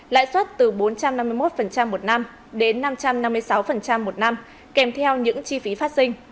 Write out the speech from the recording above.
lãi suất từ bốn trăm năm mươi một một năm đến năm trăm năm mươi sáu một năm kèm theo những chi phí phát sinh